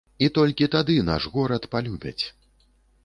І толькі тады наш горад палюбяць.